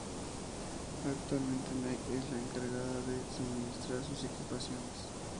Actualmente, Nike es la encargada de suministrar sus equipaciones.